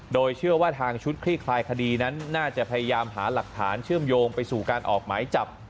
โดยเชื่อว่าทางชุดคลี่คลายคดีนั้นน่าจะพยายามหาหลักฐานเชื่อมโยงไปสู่การออกหมายจับ